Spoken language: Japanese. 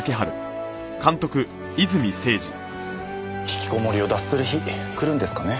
引きこもりを脱する日くるんですかね？